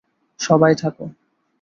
সবাই, থাক!